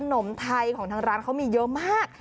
นมไทยของทางร้านเขามีเยอะมาก